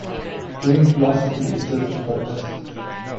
Doing philosophy is different from this.